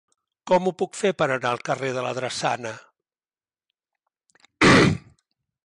Com ho puc fer per anar al carrer de la Drassana?